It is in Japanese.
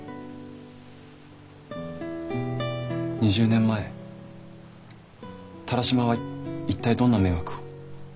２０年前田良島は一体どんな迷惑を。